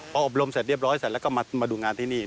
พออบรมเสร็จเรียบร้อยเสร็จแล้วก็มาดูงานที่นี่